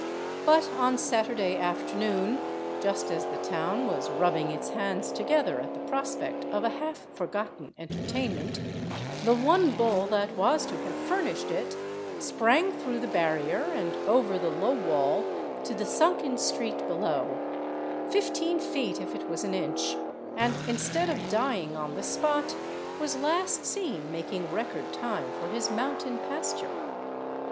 But on Saturday afternoon, just as the town was rubbing its hands together at the prospect of a half forgotten entertainment, the one bull that was to have furnished it sprang through the barrier and over the low wall to the sunken street below, fifteen feet if it was an inch, and instead of dying on the spot, was last seen making record time for his mountain pasture.